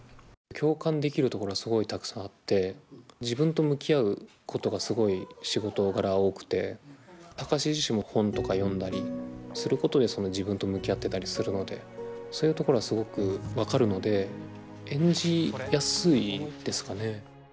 共感できるところがすごいたくさんあって自分と向き合うことがすごい仕事柄多くて貴司自身も本とか読んだりすることで自分と向き合ってたりするのでそういうところはすごく分かるので演じやすいですかね。